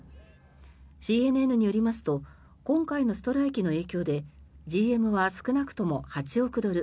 ＣＮＮによりますと今回のストライキの影響でＧＭは少なくとも８億ドル